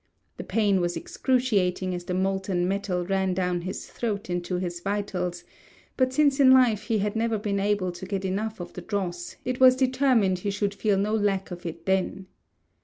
The pain was excruciating as the molten metal ran down his throat into his vitals; but since in life he had never been able to get enough of the dross, it was determined he should feel no lack of it then.